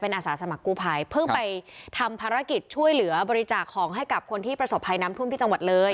เพิ่งไปทำภารกิจช่วยเหลือบริจาคองให้กับคนที่ประสบภัยน้ำทุ่มภิตรจังหวัดเลย